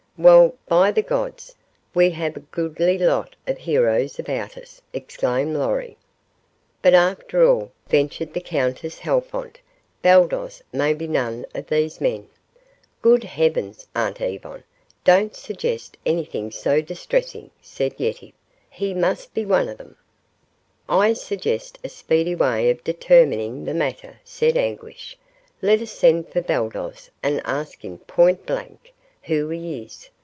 "Well, by the gods, we have a goodly lot of heroes about us," exclaimed Lorry. "But, after all," ventured the Countess Halfont, "Baldos may be none of these men." "Good heavens, Aunt Yvonne, don't suggest anything so distressing," said Yetive. "He must be one of them." "I suggest a speedy way of determining the matter," said Anguish. "Let us send for Baldos and ask him point blank who he is.